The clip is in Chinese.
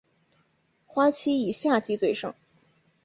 花期以夏季最盛。